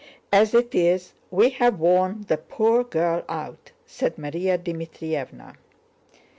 As it is we have worn the poor girl out," said Márya Dmítrievna.